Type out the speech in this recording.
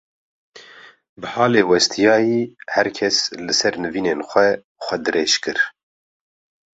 bi halê westiyayê her kes li ser nivînên xwe, xwe dirêj dikir.